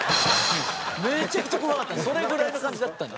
めちゃくちゃ怖かったそれぐらいの感じだったんで。